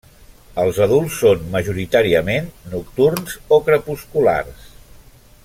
Els adults són majoritàriament nocturns o crepusculars.